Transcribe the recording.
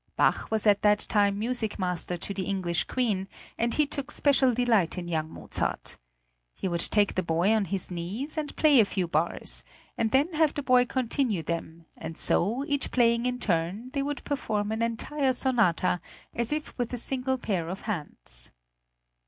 Bach was at that time music master to the English Queen, and he took special delight in young Mozart. He would take the boy on his knees, and play a few bars, and then have the boy continue them, and so, each playing in turn, they would perform an entire sonata, as if with a single pair of hands.